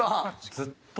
「ずっと」。